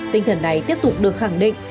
tinh thần này tiếp tục được khẳng định